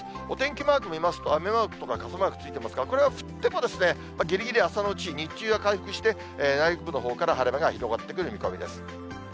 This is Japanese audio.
お天気マーク見ますと、雨マークとか傘マークついてますが、これは降ってもぎりぎり朝のうち、日中は回復して、内陸部のほうから晴れ間が広がってくる見込みです。